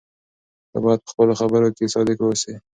ته باید په خپلو خبرو کې صادق واوسې.